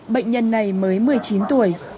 bệnh nhân này mới một mươi chín tuổi